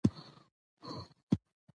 او نه به کوم انسان قبر ته راته ودرېږي.